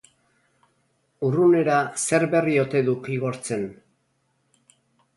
Urrunera zer berri othe duk igortzen?